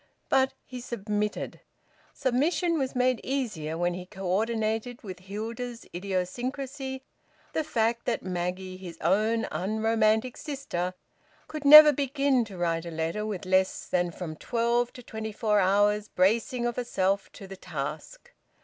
But he submitted. Submission was made easier when he co ordinated with Hilda's idiosyncrasy the fact that Maggie, his own unromantic sister, could never begin to write a letter with less than from twelve to twenty four hours' bracing of herself to the task.